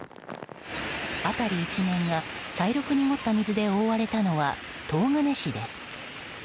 辺り一面が茶色く濁った水で覆われたのは東金市です。